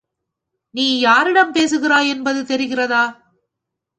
நீ யாரிடம் பேசுகிறாய் என்பது தெரிகிறதா?